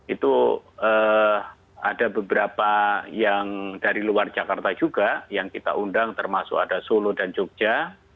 itu ada beberapa yang dari luar jakarta juga yang kita undang termasuk ada solo dan jogja